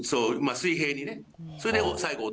水平にね。